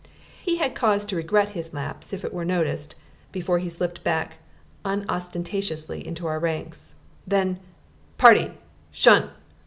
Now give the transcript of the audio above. He had cause to regret his lapse if it were noticed before he slipped back unostentatiously into our ranks. Then, "Party, 'shun!